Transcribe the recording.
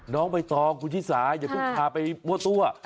น้องไปต่อคุณที่ซ้ายอย่าต้องขาไปมั่วตัว